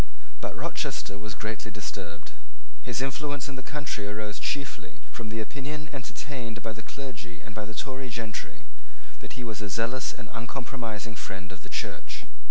But Rochester was greatly disturbed. His influence in the country arose chiefly from the opinion entertained by the clergy and by the Tory gentry, that he was a zealous and uncompromising friend of the Church.